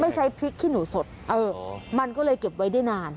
ใช้พริกขี้หนูสดมันก็เลยเก็บไว้ได้นาน